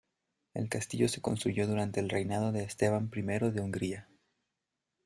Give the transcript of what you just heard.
El castillo se construyó durante el reinado de Esteban I de Hungría.